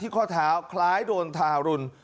ที่ข้อแถวคล้ายโดนถาหรุน